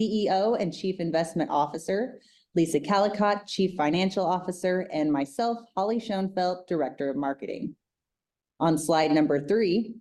CEO and Chief Investment Officer, Lisa Callicotte, Chief Financial Officer, and myself, Holly Schoenfeldt, Director of Marketing. On slide number three,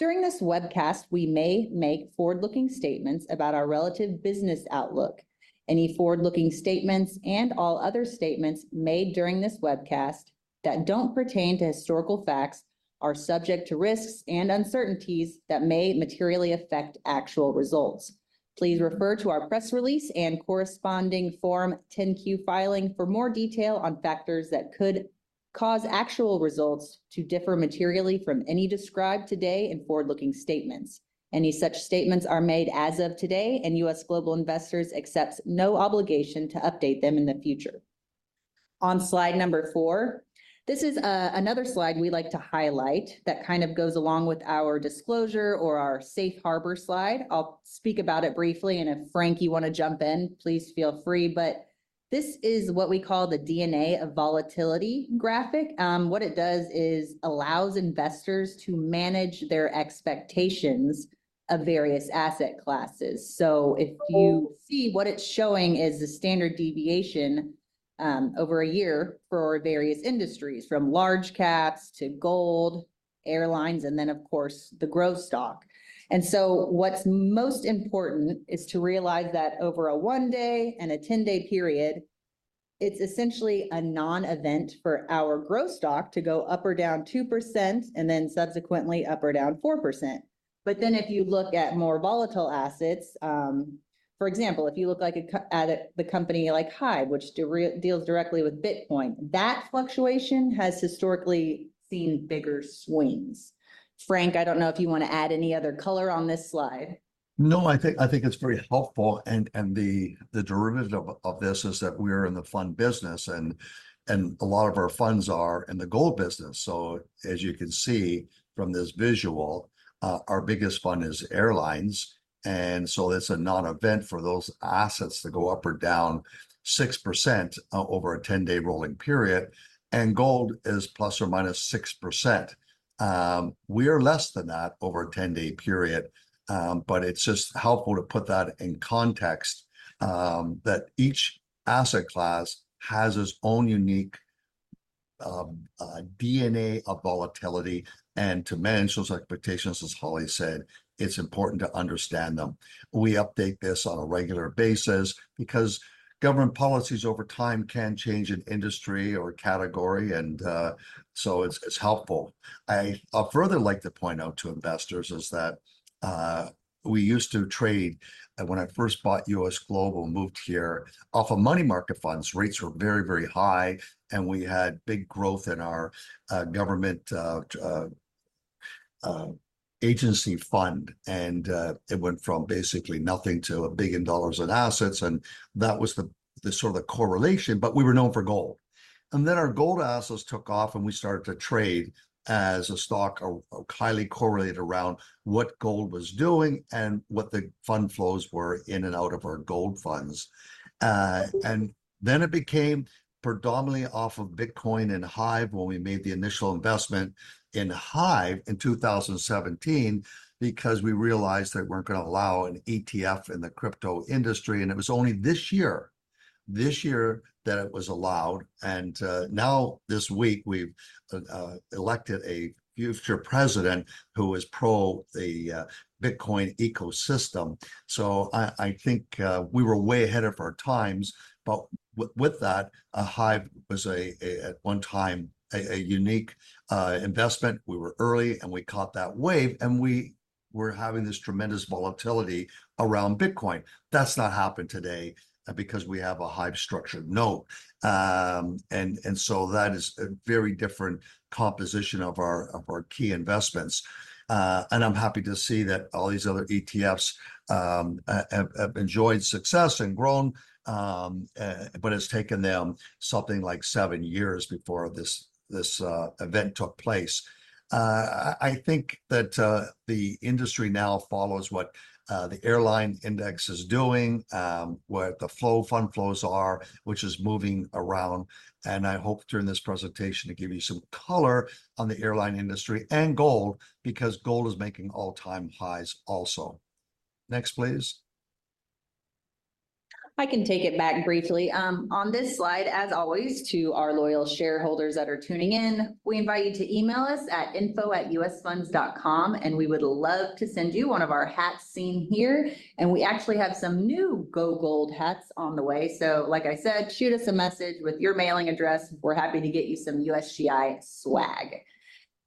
during this webcast, we may make forward-looking statements about our relative business outlook. Any forward-looking statements and all other statements made during this webcast that don't pertain to historical facts are subject to risks and uncertainties that may materially affect actual results. Please refer to our press release and corresponding Form 10-Q filing for more detail on factors that could cause actual results to differ materially from any described today in forward-looking statements. Any such statements are made as of today, and U.S. Global Investors accepts no obligation to update them in the future. On slide number four, this is another slide we like to highlight that kind of goes along with our disclosure or our safe harbor slide. I'll speak about it briefly, and if, Frank, you want to jump in, please feel free, but this is what we call the DNA of Volatility graphic. What it does is allows investors to manage their expectations of various asset classes, so if you see what it's showing is the standard deviation over a year for various industries, from large caps to gold, airlines, and then, of course, the growth stock, and so what's most important is to realize that over a one-day and a 10-day period, it's essentially a non-event for our growth stock to go up or down 2%, and then subsequently up or down 4%, but then if you look at more volatile assets, for example, if you look at a company like HIVE, which deals directly with Bitcoin, that fluctuation has historically seen bigger swings. Frank, I don't know if you want to add any other color on this slide. No, I think it's very helpful. And the derivative of this is that we're in the fund business, and a lot of our funds are in the gold business. So as you can see from this visual, our biggest fund is airlines. And so that's a non-event for those assets to go up or down 6% over a 10-day rolling period. And gold is ±6%. We are less than that over a 10-day period. But it's just helpful to put that in context that each asset class has its own unique DNA of volatility. And to manage those expectations, as Holly said, it's important to understand them. We update this on a regular basis because government policies over time can change in industry or category. And so it's helpful. I further like to point out to investors is that we used to trade, when I first bought U.S. Global, moved here off of money market funds. Rates were very, very high, and we had big growth in our government agency fund. And it went from basically nothing to $1 billion in assets. And that was the sort of the correlation. But we were known for gold. And then our gold assets took off, and we started to trade as a stock highly correlated around what gold was doing and what the fund flows were in and out of our gold funds. And then it became predominantly off of Bitcoin and HIVE when we made the initial investment in HIVE in 2017 because we realized that we weren't going to allow an ETF in the crypto industry. And it was only this year, this year that it was allowed. And now this week, we've elected a future president who is pro the Bitcoin ecosystem. So I think we were way ahead of our times. But with that, HIVE was at one time a unique investment. We were early, and we caught that wave. And we were having this tremendous volatility around Bitcoin. That's not happened today because we have a HIVE structured note. And so that is a very different composition of our key investments. And I'm happy to see that all these other ETFs have enjoyed success and grown, but it's taken them something like seven years before this event took place. I think that the industry now follows what the fund flows are, which is moving around. I hope during this presentation to give you some color on the airline industry and gold because gold is making all-time highs also. Next, please. I can take it back briefly. On this slide, as always, to our loyal shareholders that are tuning in, we invite you to email us at info@usfunds.com, and we would love to send you one of our hats seen here. And we actually have some new GO GOLD hats on the way. So like I said, shoot us a message with your mailing address. We're happy to get you some USGI swag.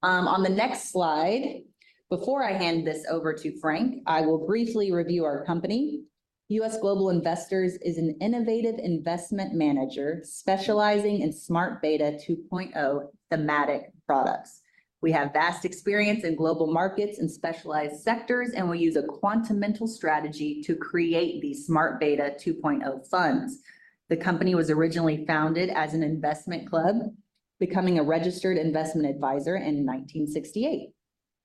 On the next slide, before I hand this over to Frank, I will briefly review our company. U.S. Global Investors is an innovative investment manager specializing in Smart Beta 2.0 thematic products. We have vast experience in global markets and specialized sectors, and we use a quantimental strategy to create the Smart Beta 2.0 funds. The company was originally founded as an investment club, becoming a registered investment advisor in 1968.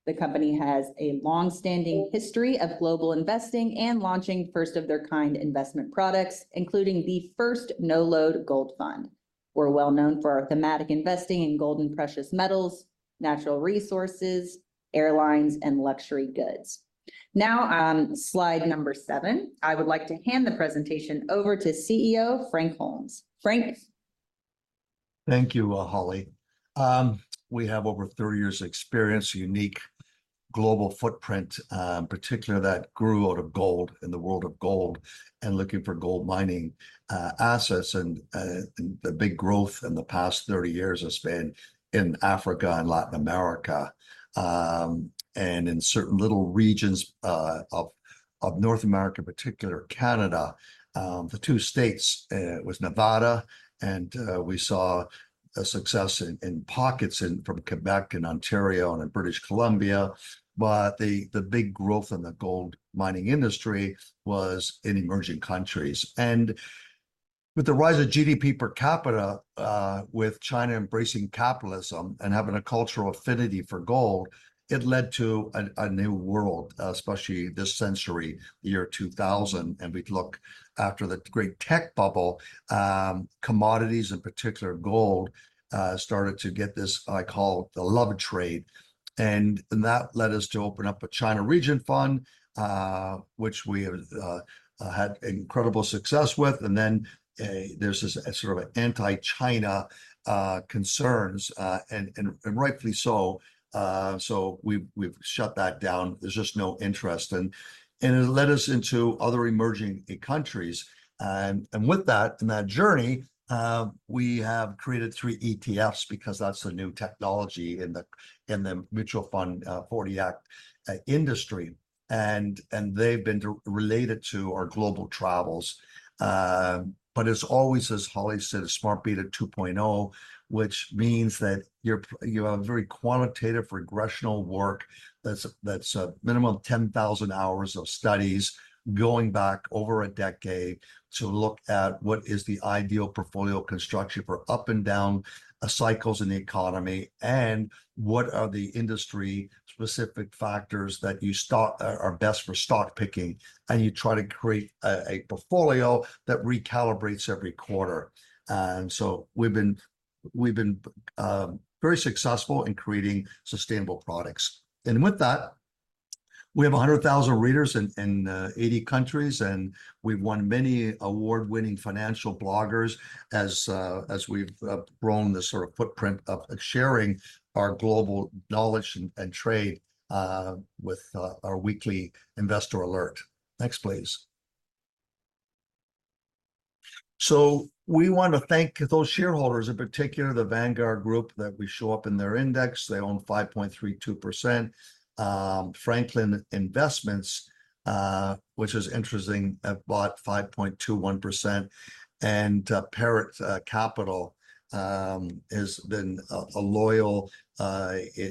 The company has a long-standing history of global investing and launching first-of-their-kind investment products, including the first no-load gold fund. We're well known for our thematic investing in gold and precious metals, natural resources, airlines, and luxury goods. Now, slide number seven, I would like to hand the presentation over to CEO Frank Holmes. Frank. Thank you, Holly. We have over 30 years of experience, unique global footprint, particularly that grew out of gold in the world of gold and looking for gold mining assets. And the big growth in the past 30 years has been in Africa and Latin America and in certain little regions of North America, particularly Canada. The two states was Nevada, and we saw a success in pockets from Quebec and Ontario and British Columbia. But the big growth in the gold mining industry was in emerging countries. And with the rise of GDP per capita, with China embracing capitalism and having a cultural affinity for gold, it led to a new world, especially this century, the year 2000. And we look after the great tech bubble, commodities, in particular gold, started to get this, I call it the love trade. And that led us to open up a China region fund, which we have had incredible success with. And then there's this sort of anti-China concerns, and rightfully so. So we've shut that down. There's just no interest. And it led us into other emerging countries. And with that, in that journey, we have created three ETFs because that's a new technology in the mutual fund 40 Act industry. And they've been related to our global travels. But it's always, as Holly said, a Smart Beta 2.0, which means that you have a very quantitative regressional work. That's a minimum of 10,000 hours of studies going back over a decade to look at what is the ideal portfolio construction for up and down cycles in the economy and what are the industry-specific factors that are best for stock picking. And you try to create a portfolio that recalibrates every quarter. And so we've been very successful in creating sustainable products. And with that, we have 100,000 readers in 80 countries, and we've won many award-winning financial bloggers as we've grown the sort of footprint of sharing our global knowledge and trade with our weekly Investor Alert. Next, please. So we want to thank those shareholders, in particular the Vanguard Group that we show up in their index. They own 5.32%. Franklin Investments, which is interesting, have bought 5.21%. And Perritt Capital has been a loyal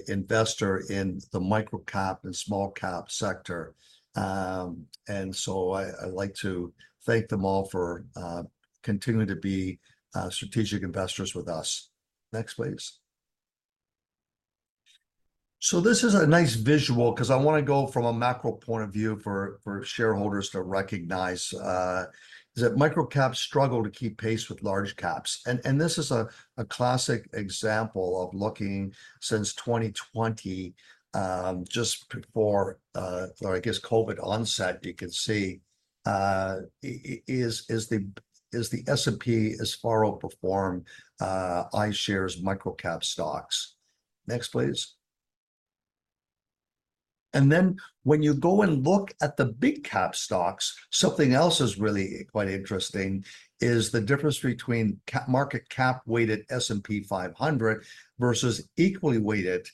investor in the micro cap and small cap sector. And so I'd like to thank them all for continuing to be strategic investors with us. Next, please. So this is a nice visual because I want to go from a macro point of view for shareholders to recognize is that micro caps struggle to keep pace with large caps. And this is a classic example of looking since 2020, just before, or I guess COVID onset. You can see [that] the S&P has far outperformed iShares Micro-Cap stocks. Next, please. And then when you go and look at the big cap stocks, something else is really quite interesting is the difference between market cap weighted S&P 500 versus equally weighted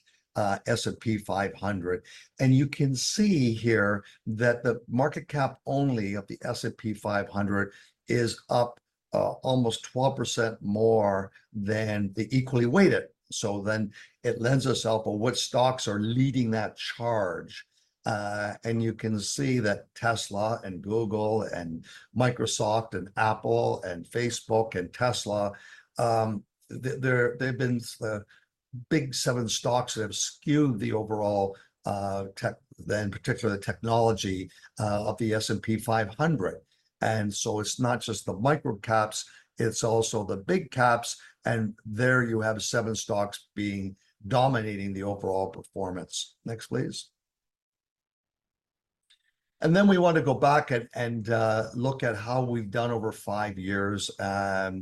S&P 500. And you can see here that the market cap only of the S&P 500 is up almost 12% more than the equally weighted. So then it lends itself to what stocks are leading that charge. And you can see that Tesla and Google and Microsoft and Apple and Facebook and Tesla, they've been the big seven stocks that have skewed the overall tech, in particular the technology of the S&P 500. And so it's not just the micro caps, it's also the big caps. There you have seven stocks being dominating the overall performance. Next, please. Then we want to go back and look at how we've done over five years. This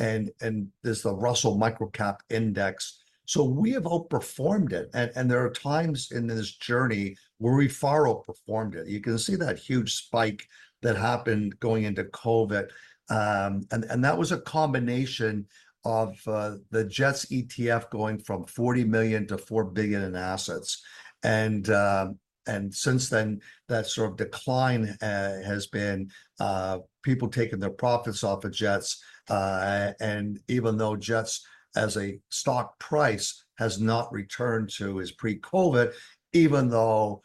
is the Russell Microcap Index. We have outperformed it. There are times in this journey where we far outperformed it. You can see that huge spike that happened going into COVID. That was a combination of the Jets ETF going from $40 million to $4 billion in assets. Since then, that sort of decline has been people taking their profits off of JETS. Even though JETS as a stock price has not returned to its pre-COVID, even though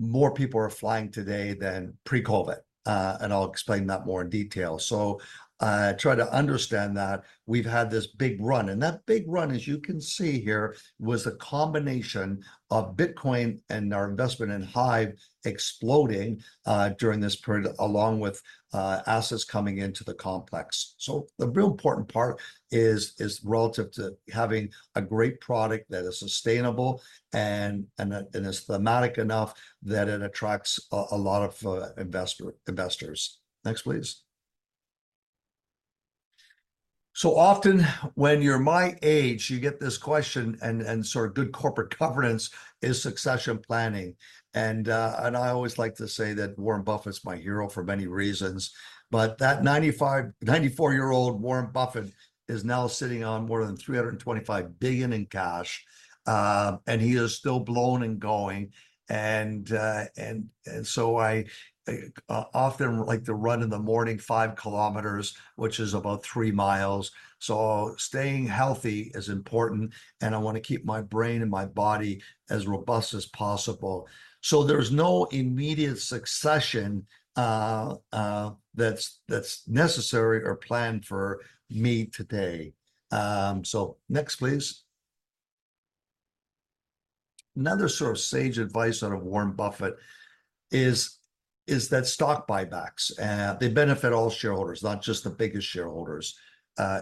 more people are flying today than pre-COVID. I'll explain that more in detail. Try to understand that we've had this big run. That big run, as you can see here, was a combination of Bitcoin and our investment in HIVE exploding during this period, along with assets coming into the complex. So the real important part is relative to having a great product that is sustainable and is thematic enough that it attracts a lot of investors. Next, please. So often when you're my age, you get this question, and sort of good corporate governance is succession planning. I always like to say that Warren Buffett's my hero for many reasons. But that 94-year-old Warren Buffett is now sitting on more than $325 billion in cash. And he is still blowin' and goin'. And so I often like to run in the morning five kilometers, which is about three miles. So staying healthy is important. And I want to keep my brain and my body as robust as possible. There's no immediate succession that's necessary or planned for me today. Next, please. Another sort of sage advice out of Warren Buffett is that stock buybacks benefit all shareholders, not just the biggest shareholders.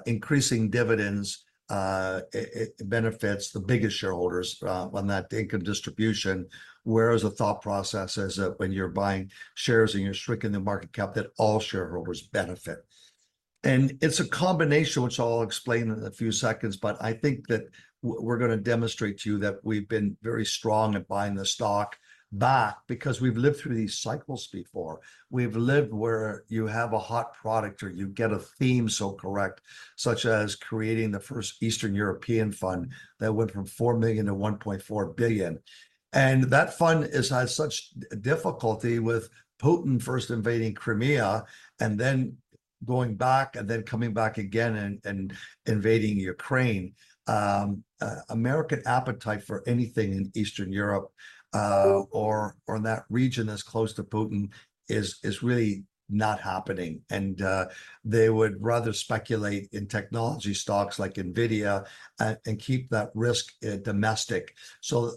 Increasing dividends benefits the biggest shareholders on that income distribution. Whereas the thought process is that when you're buying shares and you're shrinking the market cap, that all shareholders benefit. And it's a combination, which I'll explain in a few seconds. But I think that we're going to demonstrate to you that we've been very strong at buying the stock back because we've lived through these cycles before. We've lived where you have a hot product or you get a theme so correct, such as creating the first Eastern European fund that went from $4 million to $1.4 billion. That fund has such difficulty with Putin first invading Crimea and then going back and then coming back again and invading Ukraine. American appetite for anything in Eastern Europe or in that region that's close to Putin is really not happening. They would rather speculate in technology stocks like NVIDIA and keep that risk domestic.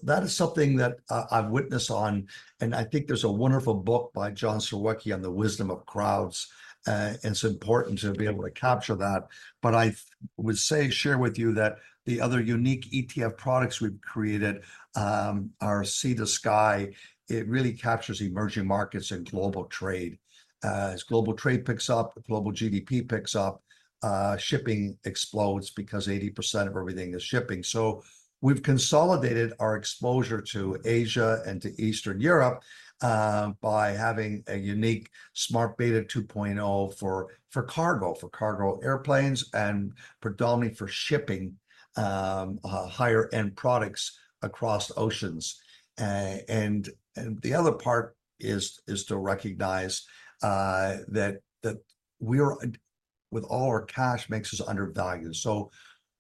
That is something that I've witnessed on. I think there's a wonderful book by James Surowiecki on The Wisdom of Crowds. It's important to be able to capture that. I would say share with you that the other unique ETF products we've created are Sea to Sky. It really captures emerging markets and global trade. As global trade picks up, global GDP picks up, shipping explodes because 80% of everything is shipping. We've consolidated our exposure to Asia and to Eastern Europe by having a unique Smart Beta 2.0 for cargo, for cargo airplanes, and predominantly for shipping higher-end products across oceans. The other part is to recognize that we're, with all our cash, makes us undervalued.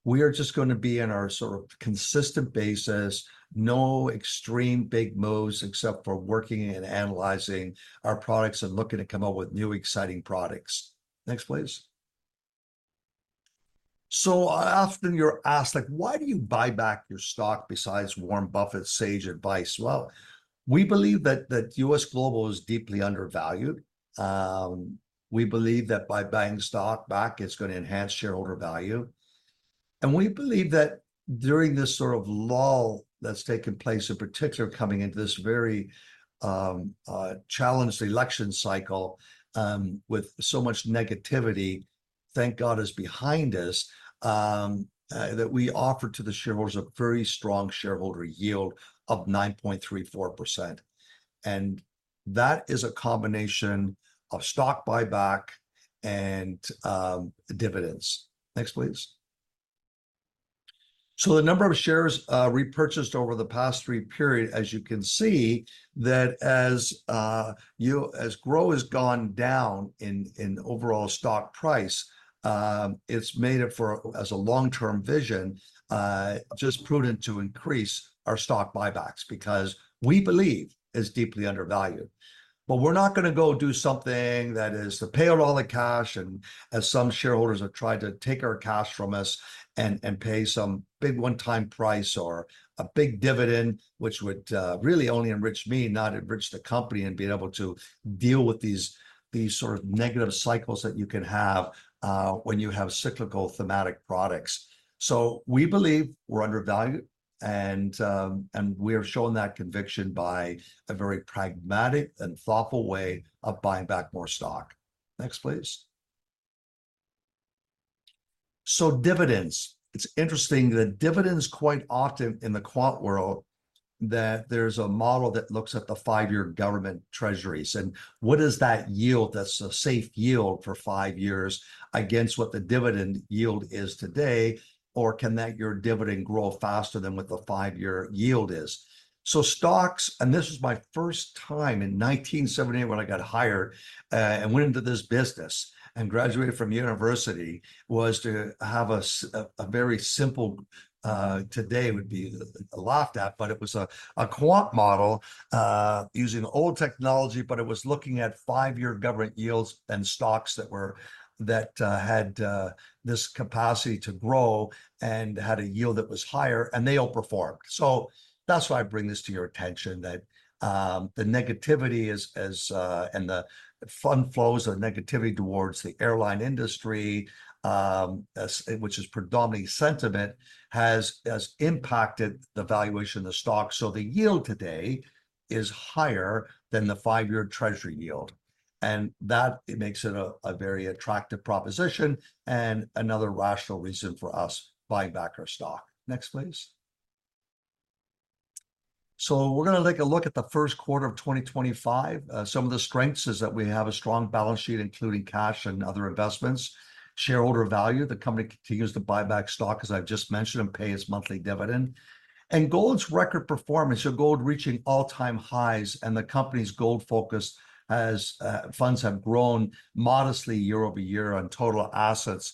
We are just going to be on our sort of consistent basis, no extreme big moves except for working and analyzing our products and looking to come up with new exciting products. Next, please. Often you're asked, like, why do you buy back your stock besides Warren Buffett's sage advice? We believe that U.S. Global is deeply undervalued. We believe that by buying stock back, it's going to enhance shareholder value. We believe that during this sort of lull that's taken place, in particular coming into this very challenged election cycle with so much negativity, thank God, it's behind us, that we offered to the shareholders a very strong shareholder yield of 9.34%. That is a combination of stock buyback and dividends. Next, please. The number of shares repurchased over the past three-year period, as you can see, that as GROW has gone down in overall stock price, it's made it for, as a long-term vision, just prudent to increase our stock buybacks because we believe it's deeply undervalued. We're not going to go do something that is to pay out all the cash. As some shareholders have tried to take our cash from us and pay some big one-time price or a big dividend, which would really only enrich me, not enrich the company and be able to deal with these sort of negative cycles that you can have when you have cyclical thematic products. We believe we're undervalued. And we're shown that conviction by a very pragmatic and thoughtful way of buying back more stock. Next, please. Dividends. It's interesting that dividends, quite often in the quant world, that there's a model that looks at the five-year government treasuries. What is that yield that's a safe yield for five years against what the dividend yield is today? Or can that your dividend grow faster than what the five-year yield is? So stocks, and this was my first time in 1978 when I got hired and went into this business and graduated from university, was to have a very simple, today would be a laugh at, but it was a quant model using old technology. But it was looking at five-year government yields and stocks that had this capacity to grow and had a yield that was higher, and they outperformed. That's why I bring this to your attention, that the negativity is, and the fund flows of negativity towards the airline industry, which is predominantly sentiment, has impacted the valuation of the stock. So the yield today is higher than the five-year treasury yield. And that makes it a very attractive proposition and another rational reason for us buying back our stock. Next, please. We're going to take a look at the first quarter of 2025. Some of the strengths is that we have a strong balance sheet, including cash and other investments, shareholder value, the company continues to buy back stock, as I've just mentioned, and pay its monthly dividend, and gold's record performance, so gold reaching all-time highs, and the company's gold-focused funds have grown modestly year over year on total assets.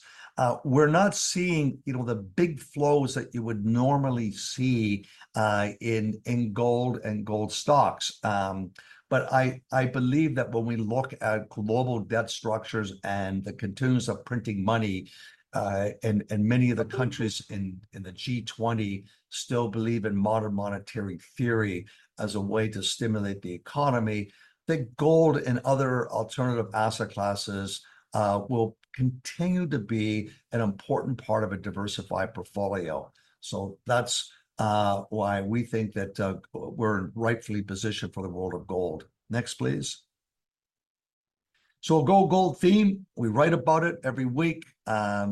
We're not seeing, you know, the big flows that you would normally see in gold and gold stocks, but I believe that when we look at global debt structures and the continuance of printing money, and many of the countries in the G20 still believe in Modern Monetary Theory as a way to stimulate the economy, that gold and other alternative asset classes will continue to be an important part of a diversified portfolio, so that's why we think that we're rightfully positioned for the world of gold. Next, please. So GO GOLD theme. We write about it every week.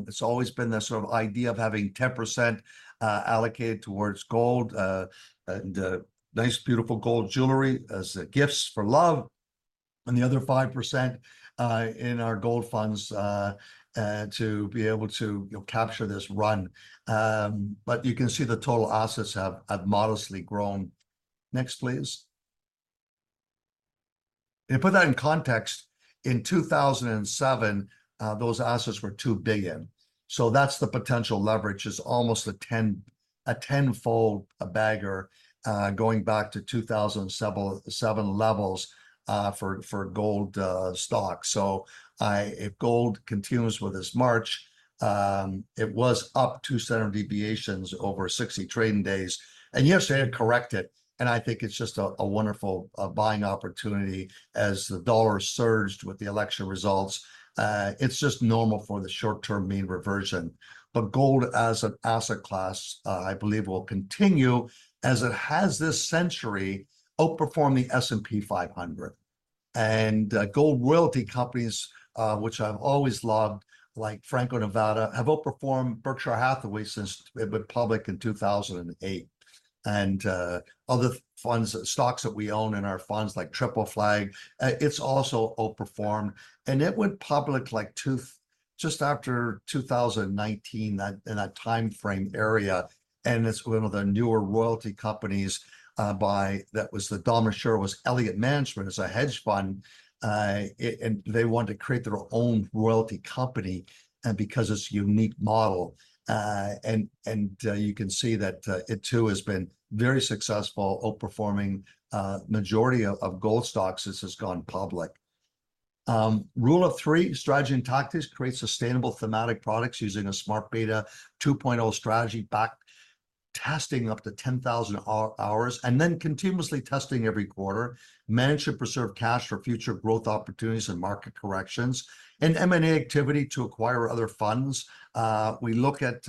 It's always been the sort of idea of having 10% allocated towards gold and nice, beautiful gold jewelry as gifts for love. And the other 5% in our gold funds to be able to capture this run. But you can see the total assets have modestly grown. Next, please. And put that in context, in 2007, those assets were two billion. So that's the potential leverage is almost a tenfold bagger going back to 2007 levels for gold stocks. So if gold continues with this march, it was up two standard deviations over 60 trading days. And yes, they had corrected. And I think it's just a wonderful buying opportunity as the dollar surged with the election results. It's just normal for the short-term mean reversion. But gold as an asset class, I believe, will continue as it has this century outperforming S&P 500. And gold royalty companies, which I've always loved, like Franco-Nevada, have outperformed Berkshire Hathaway since it went public in 2008. And other funds, stocks that we own in our funds like Triple Flag, it's also outperformed. And it went public like just after 2019 in that time frame area. And it's one of the newer royalty companies by that was the dominant share was Elliott Management as a hedge fund. And they wanted to create their own royalty company because it's a unique model. And you can see that it too has been very successful outperforming the majority of gold stocks since it's gone public. Rule of three, strategy and tactics create sustainable thematic products using a Smart Beta 2.0 strategy backtesting up to 10,000 hours and then continuously testing every quarter. Manage to preserve cash for future growth opportunities and market corrections and M&A activity to acquire other funds. We look at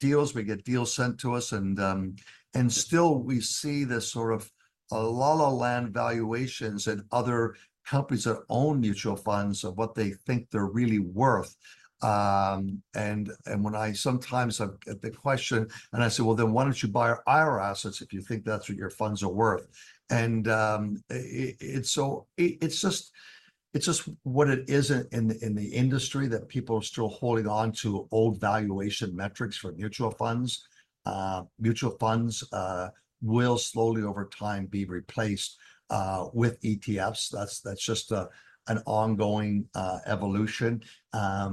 deals, we get deals sent to us, and still we see this sort of la-la land valuations and other companies that own mutual funds of what they think they're really worth, and when I sometimes have the question and I say, well, then why don't you buy our assets if you think that's what your funds are worth? And it's just what it is in the industry that people are still holding on to old valuation metrics for mutual funds. Mutual funds will slowly over time be replaced with ETFs. That's just an ongoing evolution.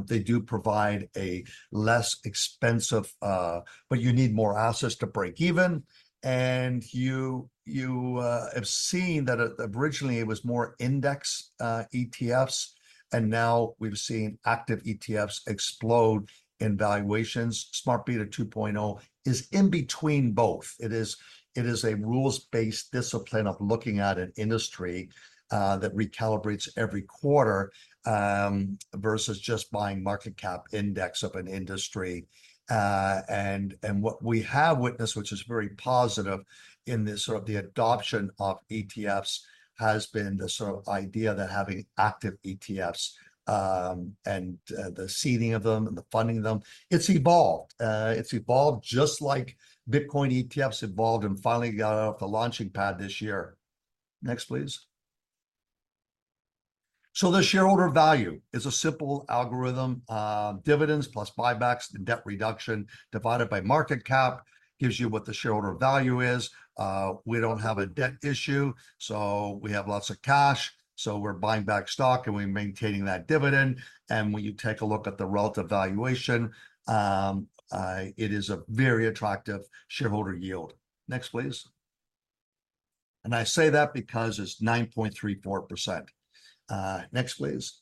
They do provide a less expensive, but you need more assets to break even. And you have seen that originally it was more index ETFs. And now we've seen active ETFs explode in valuations. Smart Beta 2.0 is in between both. It is a rules-based discipline of looking at an industry that recalibrates every quarter versus just buying market cap index of an industry. And what we have witnessed, which is very positive in this sort of the adoption of ETFs, has been the sort of idea that having active ETFs and the seeding of them and the funding of them. It's evolved. It's evolved just like Bitcoin ETFs evolved and finally got off the launching pad this year. Next, please. So the shareholder value is a simple algorithm. Dividends plus buybacks and debt reduction divided by market cap gives you what the shareholder value is. We don't have a debt issue. So we have lots of cash. So we're buying back stock and we're maintaining that dividend. And when you take a look at the relative valuation, it is a very attractive shareholder yield. Next, please. And I say that because it's 9.34%. Next, please.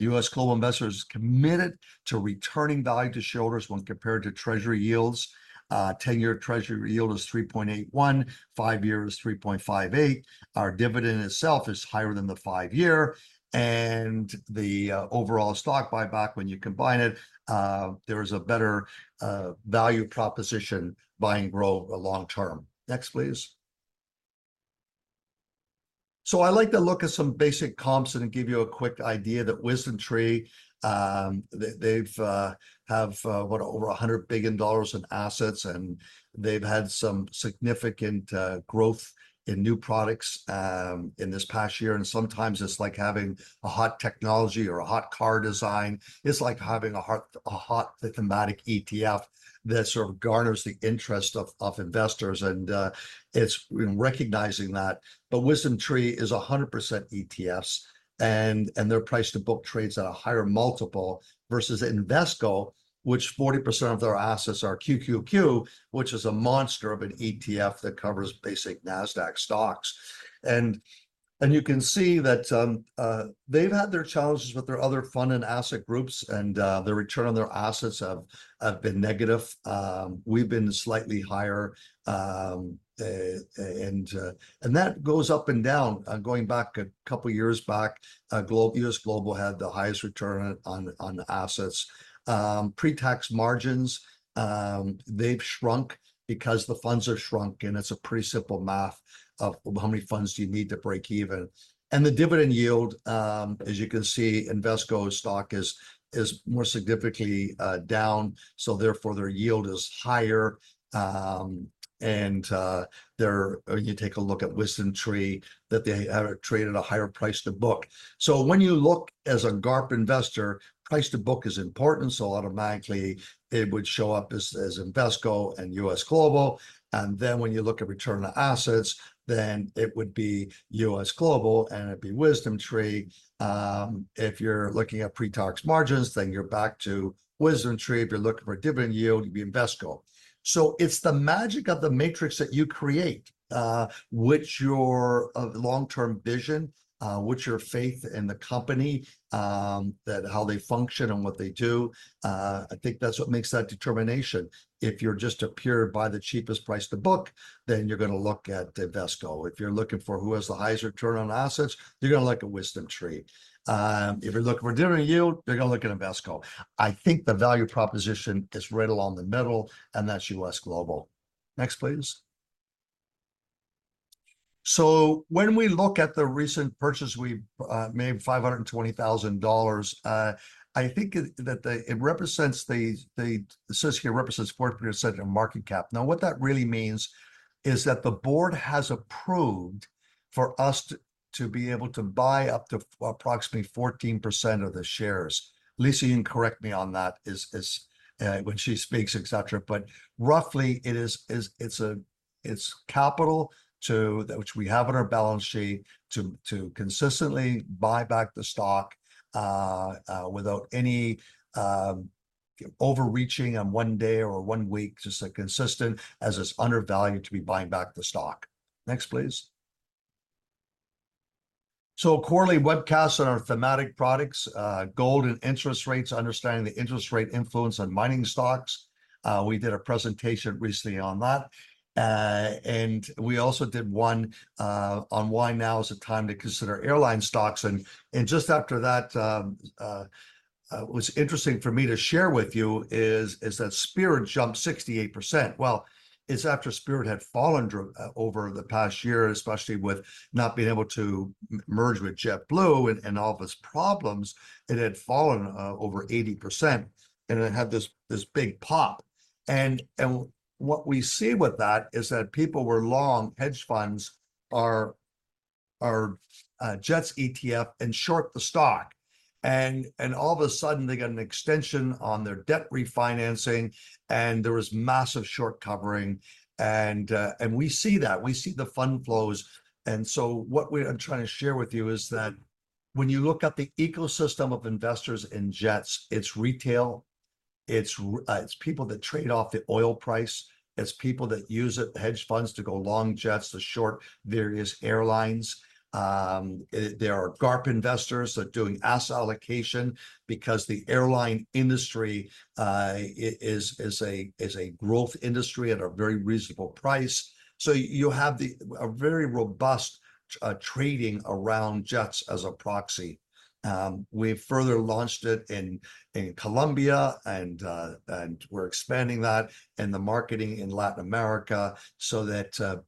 U.S. Global Investors is committed to returning value to shareholders when compared to treasury yields. Ten-year treasury yield is 3.81%, five-year is 3.58%. Our dividend itself is higher than the five-year. And the overall stock buyback, when you combine it, there is a better value proposition buying growth long-term. Next, please. So I like to look at some basic comps and give you a quick idea that WisdomTree, they have what, over $100 billion in assets. And they've had some significant growth in new products in this past year. Sometimes it's like having a hot technology or a hot car design. It's like having a hot thematic ETF that sort of garners the interest of investors. It's recognizing that. WisdomTree is 100% ETFs. They're priced to book trades at a higher multiple versus Invesco, which 40% of their assets are QQQ, which is a monster of an ETF that covers basic Nasdaq stocks. You can see that they've had their challenges with their other fund and asset groups. The return on their assets have been negative. We've been slightly higher. That goes up and down. Going back a couple of years back, U.S. Global had the highest return on assets. Pre-tax margins, they've shrunk because the funds have shrunk. It's a pretty simple math of how many funds do you need to break even. And the dividend yield, as you can see, Invesco stock is more significantly down. So therefore, their yield is higher. And when you take a look at WisdomTree, that they have traded at a higher price to book. So when you look as a GARP investor, price to book is important. So automatically, it would show up as Invesco and U.S. Global. And then when you look at return on assets, then it would be U.S. Global. And it'd be WisdomTree. If you're looking at pre-tax margins, then you're back to WisdomTree. If you're looking for dividend yield, it'd be Invesco. So it's the magic of the matrix that you create, which your long-term vision, which your faith in the company, how they function and what they do. I think that's what makes that determination. If you're just a peer by the cheapest price-to-book, then you're going to look at Invesco. If you're looking for who has the highest return on assets, you're going to look at WisdomTree. If you're looking for dividend yield, you're going to look at Invesco. I think the value proposition is right along the middle, and that's U.S. Global. Next, please. When we look at the recent purchase we made, $520,000. I think that it represents approximately 4% of market cap. Now, what that really means is that the board has approved for us to be able to buy up to approximately 14% of the shares. Lisa can correct me on that when she speaks, etc. Roughly, it's capital to which we have on our balance sheet to consistently buy back the stock without any overreaching on one day or one week, just a consistent as it's undervalued to be buying back the stock. Next, please. Quarterly webcasts on our thematic products, gold and interest rates, understanding the interest rate influence on mining stocks. We did a presentation recently on that. We also did one on why now is it time to consider airline stocks. Just after that, what's interesting for me to share with you is that Spirit jumped 68%. It's after Spirit had fallen over the past year, especially with not being able to merge with JetBlue and all of its problems. It had fallen over 80%. It had this big pop. And what we see with that is that people were long hedge funds, Jets ETF, and short the stock. And all of a sudden, they got an extension on their debt refinancing. And there was massive short covering. And we see that. We see the fund flows. And so what I'm trying to share with you is that when you look at the ecosystem of investors in JETS, it's retail. It's people that trade off the oil price. It's people that use it, hedge funds to go long JETS to short various airlines. There are GARP investors that are doing asset allocation because the airline industry is a growth industry at a very reasonable price. So you have a very robust trading around JETS as a proxy. We've further launched it in Colombia. We're expanding that in the marketing in Latin America so that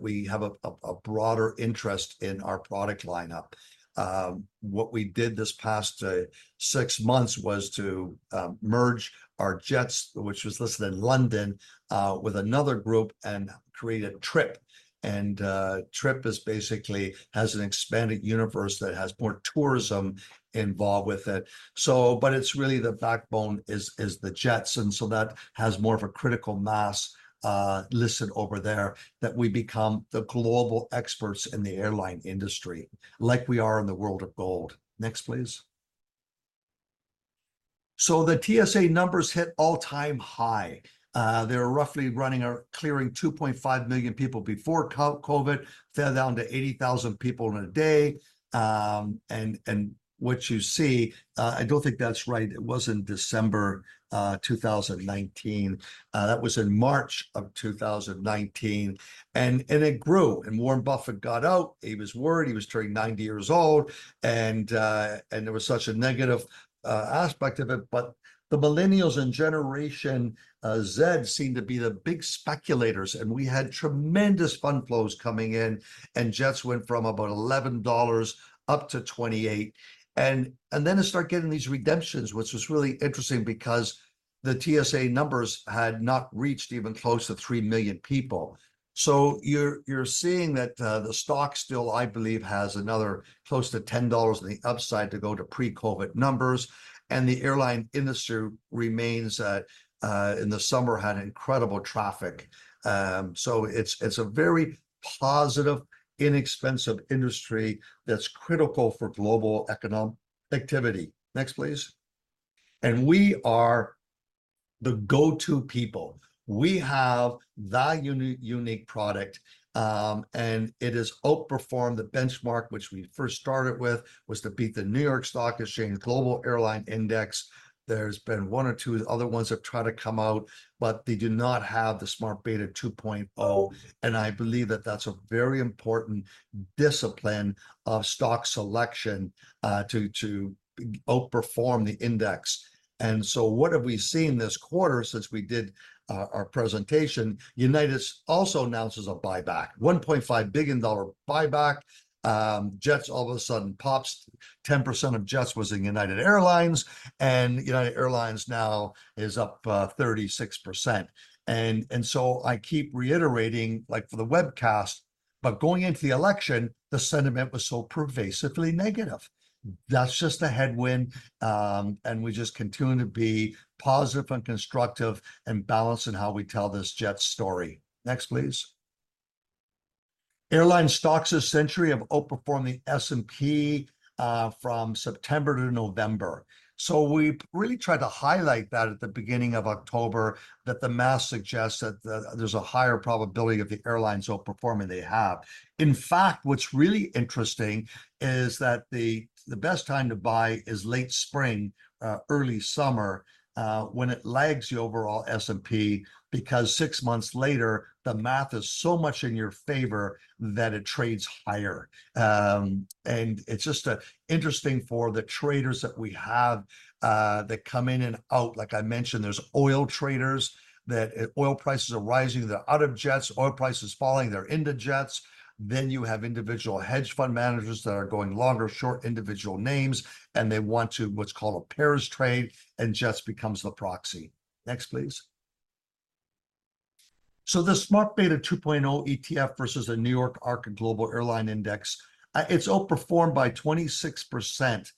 we have a broader interest in our product lineup. What we did this past six months was to merge our Jets, which was listed in London, with another group and create TRYP. TRYP is basically has an expanded universe that has more tourism involved with it. It's really the backbone is the Jets. That has more of a critical mass listed over there that we become the global experts in the airline industry like we are in the world of gold. Next, please. The TSA numbers hit all-time high. They're roughly running or clearing 2.5 million people before COVID, fell down to 80,000 people in a day. What you see, I don't think that's right. It wasn't December 2019. That was in March of 2019. It grew. Warren Buffett got out. He was worried. He was turning 90 years old. There was such a negative aspect of it. The millennials and Generation Z seemed to be the big speculators. We had tremendous fund flows coming in. JETS went from about $11 up to $28. Then it started getting these redemptions, which was really interesting because the TSA numbers had not reached even close to 3 million people. You're seeing that the stock still, I believe, has another close to $10 on the upside to go to pre-COVID numbers. The airline industry remains. In the summer, it had incredible traffic. It's a very positive, inexpensive industry that's critical for global economic activity. Next, please. We are the go-to people. We have that unique product. It has outperformed the benchmark, which we first started with, was to beat the NYSE Arca Global Airline Index. There's been one or two other ones that try to come out, but they do not have the Smart Beta 2.0. I believe that that's a very important discipline of stock selection to outperform the index. So what have we seen this quarter since we did our presentation? United also announces a buyback, $1.5 billion buyback. JETS all of a sudden pops. 10% of JETS was in United Airlines. United Airlines now is up 36%. I keep reiterating, like for the webcast, but going into the election, the sentiment was so pervasively negative. That's just a headwind. We just continue to be positive and constructive and balanced in how we tell this JETS story. Next, please. Airline stocks this century have outperformed the S&P from September to November. So we really tried to highlight that at the beginning of October that the math suggests that there's a higher probability of the airlines outperforming than they have. In fact, what's really interesting is that the best time to buy is late spring, early summer, when it lags the overall S&P because six months later, the math is so much in your favor that it trades higher. And it's just interesting for the traders that we have that come in and out. Like I mentioned, there's oil traders that oil prices are rising. They're out of Jets. Oil prices are falling. They're into Jets. Then you have individual hedge fund managers that are going long or short individual names. And they want to what's called a pairs trade. And Jets becomes the proxy. Next, please. So the Smart Beta 2.0 ETF versus the NYSE Arca Global Airline Index, it's outperformed by 26%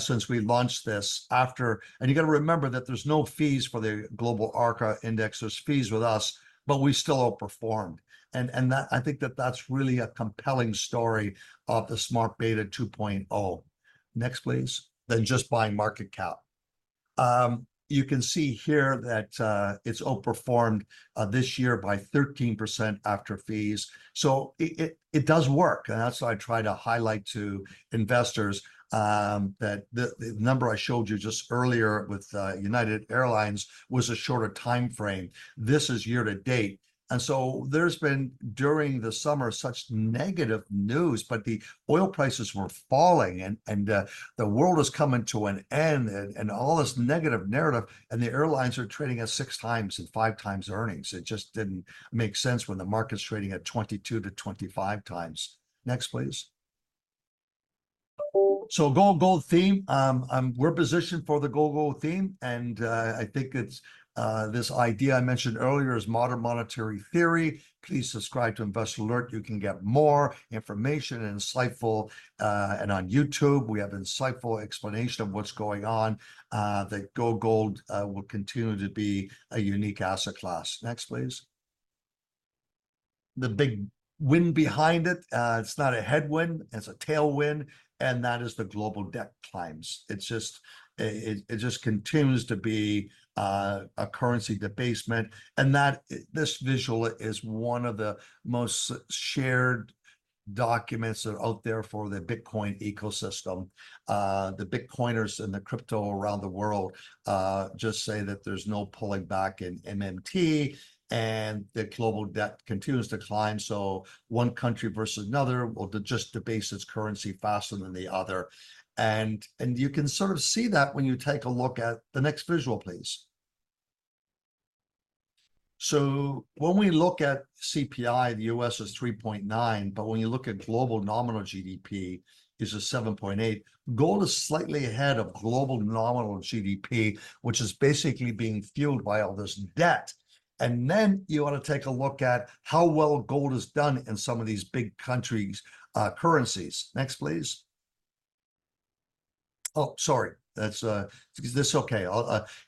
since we launched this. And you got to remember that there's no fees for the Global Arca Index. There's fees with us, but we still outperformed. And I think that that's really a compelling story of the Smart Beta 2.0. Next, please. Then just buying market cap. You can see here that it's outperformed this year by 13% after fees. So it does work. And that's why I try to highlight to investors that the number I showed you just earlier with United Airlines was a shorter time frame. This is year to date. And so there's been during the summer such negative news, but the oil prices were falling. And the world is coming to an end. And all this negative narrative. The airlines are trading at 6x and 5x earnings. It just didn't make sense when the market's trading at 22x-25x. Next, please. GO GOLD theme. We're positioned for the GO GOLD theme. And I think this idea I mentioned earlier is modern monetary theory. Please subscribe to Investor Alert. You can get more information and insightful. And on YouTube, we have insightful explanation of what's going on that GO GOLD will continue to be a unique asset class. Next, please. The big win behind it, it's not a headwind. It's a tailwind. And that is the global debt climbs. It just continues to be a currency debasement. And this visual is one of the most shared documents that are out there for the Bitcoin ecosystem. The Bitcoiners and the crypto around the world just say that there's no pulling back in MMT. The global debt continues to climb. One country versus another will just debase its currency faster than the other. You can sort of see that when you take a look at the next visual, please. When we look at CPI, the U.S. is 3.9%. But when you look at global nominal GDP, it's a 7.8%. Gold is slightly ahead of global nominal GDP, which is basically being fueled by all this debt. You want to take a look at how well gold has done in some of these big countries' currencies. Next, please. Oh, sorry. Is this okay?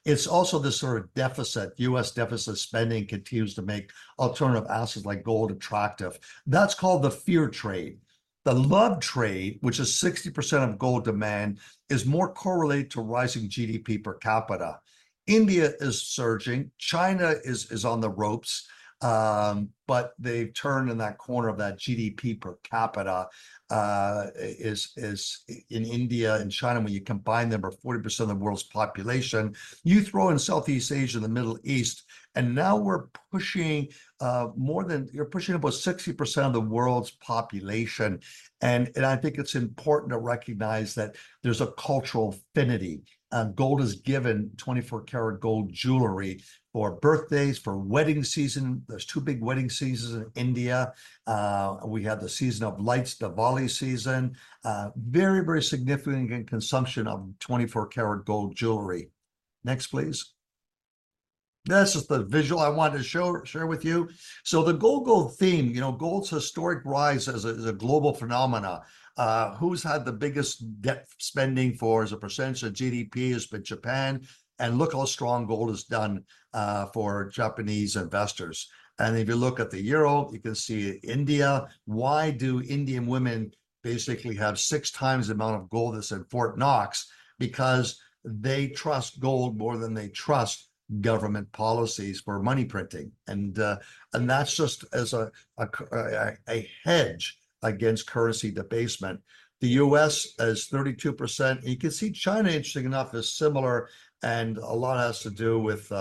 It's also this sort of deficit. U.S. deficit spending continues to make alternative assets like gold attractive. That's called the fear trade. The love trade, which is 60% of gold demand, is more correlated to rising GDP per capita. India is surging. China is on the ropes. But they've turned in that corner of that GDP per capita in India and China, when you combine them, are 40% of the world's population. You throw in Southeast Asia, the Middle East. And now we're pushing more than you're pushing about 60% of the world's population. And I think it's important to recognize that there's a cultural affinity. Gold is given 24-karat gold jewelry for birthdays, for wedding season. There's two big wedding seasons in India. We have the season of lights, Diwali season. Very, very significant consumption of 24-karat gold jewelry. Next, please. That's just the visual I wanted to share with you. So the GO GOLD theme, you know gold's historic rise as a global phenomenon. Who's had the biggest debt spending for as a percentage of GDP has been Japan. And look how strong gold has done for Japanese investors. And if you look at the euro, you can see India. Why do Indian women basically have 6x the amount of gold that's in Fort Knox? Because they trust gold more than they trust government policies for money printing. And that's just as a hedge against currency debasement. The U.S. is 32%. And you can see China, interesting enough, is similar. And a lot has to do with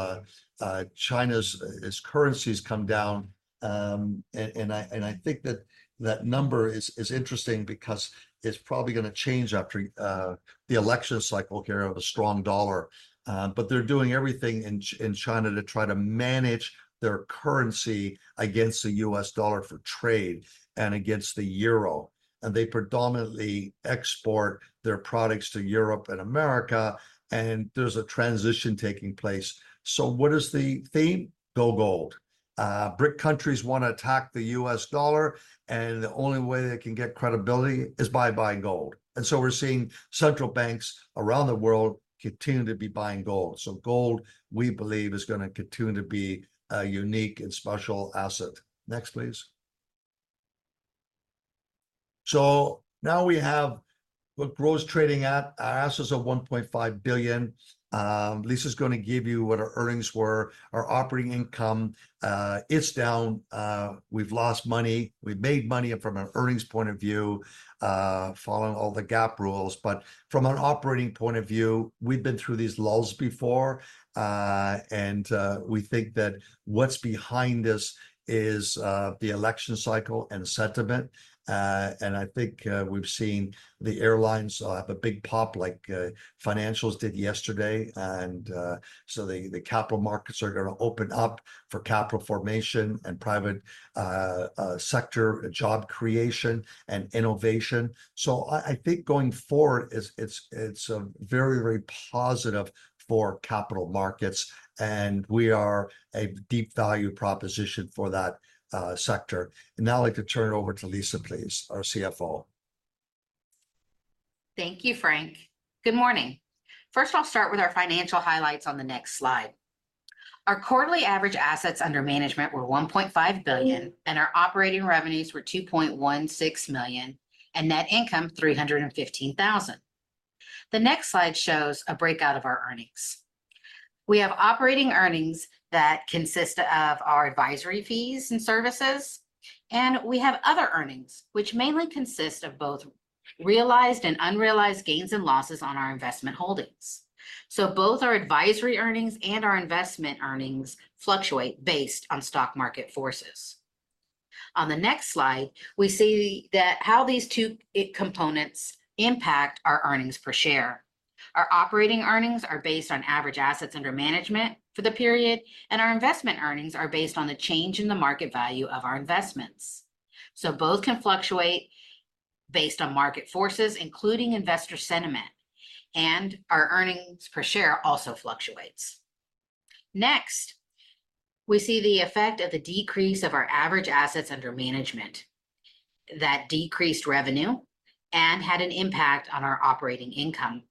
China's currencies come down. And I think that that number is interesting because it's probably going to change after the election cycle here of a strong dollar. But they're doing everything in China to try to manage their currency against the U.S. dollar for trade and against the euro. And they predominantly export their products to Europe and America. And there's a transition taking place. So what is the theme? GO GOLD. BRICS countries want to attack the U.S. dollar. The only way they can get credibility is by buying gold. And so we're seeing central banks around the world continue to be buying gold. So gold, we believe, is going to continue to be a unique and special asset. Next, please. So now we have GROW's trading at our assets of $1.5 billion. Lisa's going to give you what our earnings were. Our operating income, it's down. We've lost money. We've made money from an earnings point of view, following all the GAAP rules. But from an operating point of view, we've been through these lulls before. And we think that what's behind this is the election cycle and sentiment. And I think we've seen the airlines have a big pop like financials did yesterday. And so the capital markets are going to open up for capital formation and private sector job creation and innovation. So I think going forward, it's a very, very positive for capital markets. And we are a deep value proposition for that sector. And now I'd like to turn it over to Lisa, please, our CFO. Thank you, Frank. Good morning. First, I'll start with our financial highlights on the next slide. Our quarterly average assets under management were $1.5 billion, and our operating revenues were $2.16 million, and net income $315,000. The next slide shows a breakout of our earnings. We have operating earnings that consist of our advisory fees and services. And we have other earnings, which mainly consist of both realized and unrealized gains and losses on our investment holdings. So both our advisory earnings and our investment earnings fluctuate based on stock market forces. On the next slide, we see how these two components impact our earnings per share. Our operating earnings are based on average assets under management for the period, and our investment earnings are based on the change in the market value of our investments, so both can fluctuate based on market forces, including investor sentiment, and our earnings per share also fluctuates. Next, we see the effect of the decrease of our average assets under management that decreased revenue and had an impact on our operating income.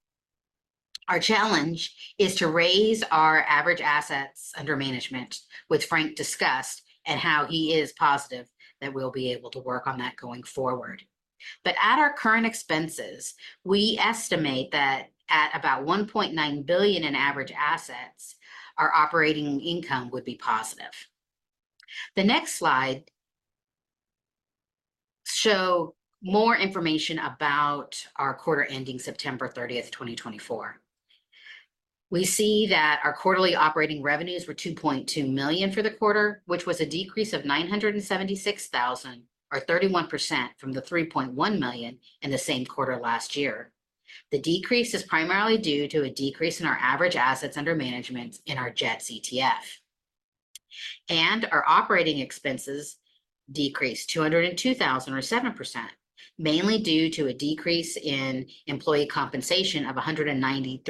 Our challenge is to raise our average assets under management, which Frank discussed and how he is positive that we'll be able to work on that going forward, but at our current expenses, we estimate that at about $1.9 billion in average assets, our operating income would be positive. The next slide shows more information about our quarter ending September 30th, 2024. We see that our quarterly operating revenues were $2.2 million for the quarter, which was a decrease of $976,000, or 31% from the $3.1 million in the same quarter last year. The decrease is primarily due to a decrease in our average assets under management in our Jets ETF. And our operating expenses decreased $202,000, or 7%, mainly due to a decrease in employee compensation of $193,000,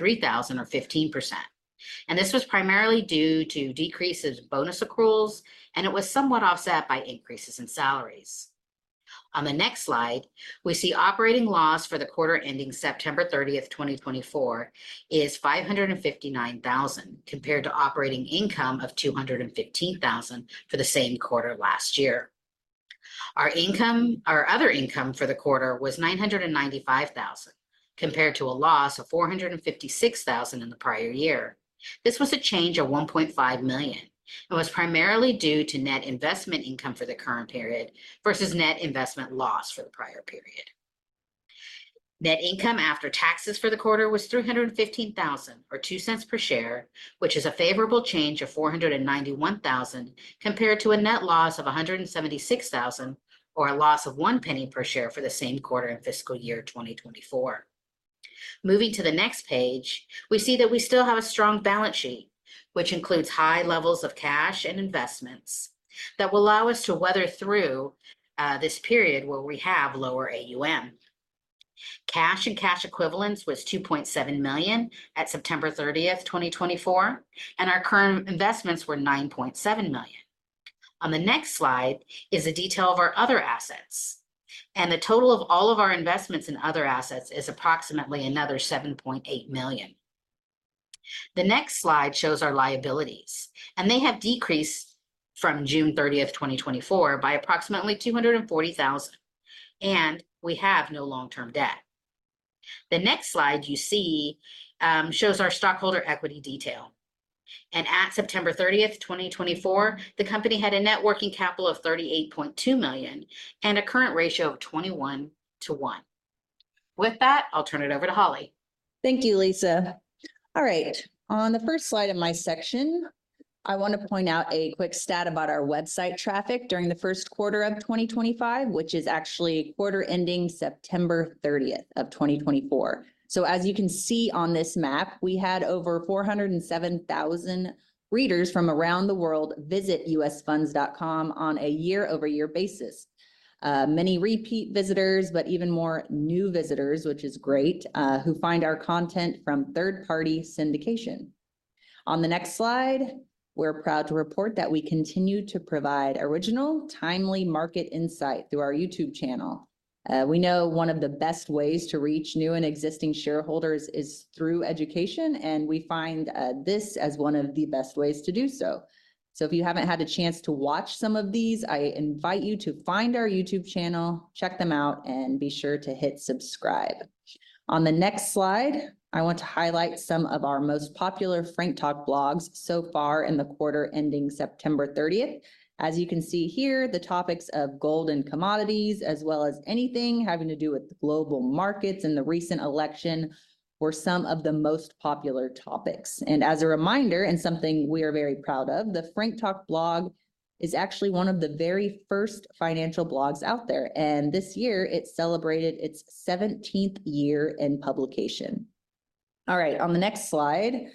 or 15%. And this was primarily due to decreases in bonus accruals, and it was somewhat offset by increases in salaries. On the next slide, we see operating loss for the quarter ending September 30th, 2024, is $559,000 compared to operating income of $215,000 for the same quarter last year. Our other income for the quarter was $995,000 compared to a loss of $456,000 in the prior year. This was a change of $1.5 million. It was primarily due to net investment income for the current period versus net investment loss for the prior period. Net income after taxes for the quarter was $315,000, or $0.02 per share, which is a favorable change of $491,000 compared to a net loss of $176,000, or a loss of $0.01 per share for the same quarter in fiscal year 2024. Moving to the next page, we see that we still have a strong balance sheet, which includes high levels of cash and investments that will allow us to weather through this period where we have lower AUM. Cash and cash equivalents was $2.7 million at September 30th, 2024, and our current investments were $9.7 million. On the next slide is a detail of our other assets, and the total of all of our investments in other assets is approximately another $7.8 million. The next slide shows our liabilities, and they have decreased from June 30th, 2024, by approximately $240,000. We have no long-term debt. The next slide you see shows our stockholder equity detail. At September 30th, 2024, the company had a net working capital of $38.2 million and a current ratio of 21 to 1. With that, I'll turn it over to Holly. Thank you, Lisa. All right. On the first slide of my section, I want to point out a quick stat about our website traffic during the first quarter of 2025, which is actually quarter ending September 30th of 2024. As you can see on this map, we had over 407,000 readers from around the world visit usfunds.com on a year-over-year basis. Many repeat visitors, but even more new visitors, which is great, who find our content from third-party syndication. On the next slide, we're proud to report that we continue to provide original, timely market insight through our YouTube channel. We know one of the best ways to reach new and existing shareholders is through education, and we find this as one of the best ways to do so. So if you haven't had a chance to watch some of these, I invite you to find our YouTube channel, check them out, and be sure to hit subscribe. On the next slide, I want to highlight some of our most popular Frank Talk blogs so far in the quarter ending September 30th. As you can see here, the topics of gold and commodities, as well as anything having to do with the global markets and the recent election, were some of the most popular topics. And as a reminder, and something we are very proud of, the Frank Talk blog is actually one of the very first financial blogs out there. And this year, it celebrated its 17th year in publication. All right, on the next slide,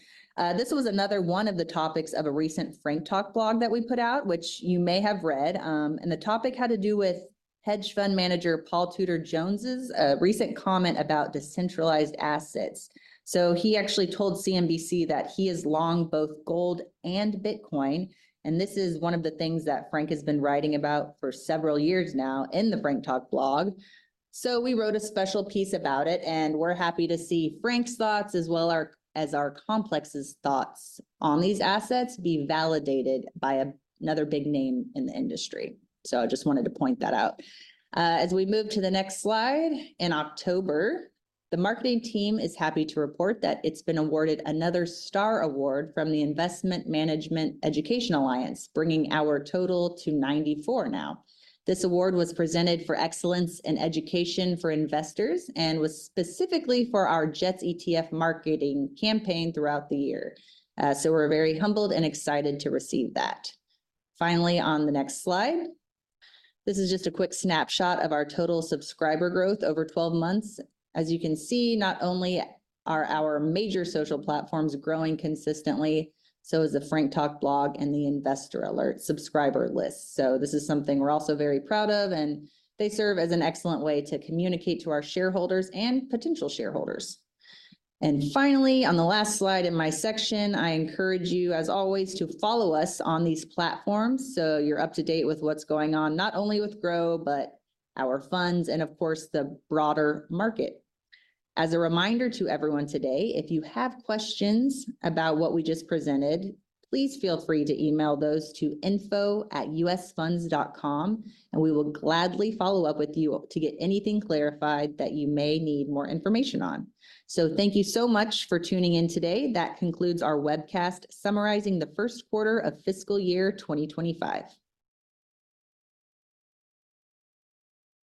this was another one of the topics of a recent Frank Talk blog that we put out, which you may have read. And the topic had to do with hedge fund manager Paul Tudor Jones's recent comment about decentralized assets. So he actually told CNBC that he is long both gold and Bitcoin. And this is one of the things that Frank has been writing about for several years now in the Frank Talk blog. So we wrote a special piece about it, and we're happy to see Frank's thoughts as well as our complex's thoughts on these assets be validated by another big name in the industry. So I just wanted to point that out. As we move to the next slide, in October, the marketing team is happy to report that it's been awarded another Star Award from the Investment Management Education Alliance, bringing our total to 94 now. This award was presented for excellence in education for investors and was specifically for our Jets ETF marketing campaign throughout the year. So we're very humbled and excited to receive that. Finally, on the next slide, this is just a quick snapshot of our total subscriber growth over 12 months. As you can see, not only are our major social platforms growing consistently, so is the Frank Talk blog and the Investor Alert subscriber list. So this is something we're also very proud of, and they serve as an excellent way to communicate to our shareholders and potential shareholders. Finally, on the last slide in my section, I encourage you, as always, to follow us on these platforms so you're up to date with what's going on, not only with GROW, but our funds and, of course, the broader market. As a reminder to everyone today, if you have questions about what we just presented, please feel free to email those to info@usfunds.com, and we will gladly follow up with you to get anything clarified that you may need more information on. Thank you so much for tuning in today. That concludes our webcast summarizing the first quarter of fiscal year 2025.